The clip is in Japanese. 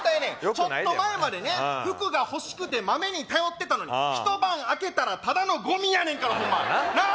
ちょっと前までね福が欲しくて豆に頼ってたのに一晩明けたらただのゴミやねんからホンマなっ